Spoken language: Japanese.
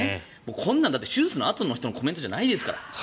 こんなのだって手術のあとの人のコメントじゃないですから。